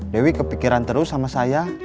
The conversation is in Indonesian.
dewi kepikiran terus sama saya